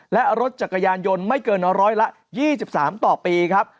และรถจักรยานยนต์ไม่เกินร้อยละ๒๓ต่อปีครับ